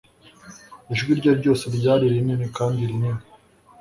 Ijwi rye ryose ryari rinini kandi rinini